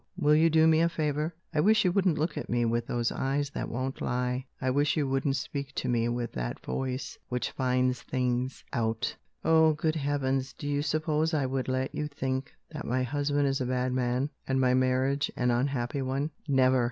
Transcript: Will you do me a favour? I wish you wouldn't look at me with those eyes that won't lie; I wish you wouldn't speak to me with that voice which finds things out. Oh, good Heavens, do you suppose I would let you think that my husband is a bad man, and my marriage an unhappy one? Never!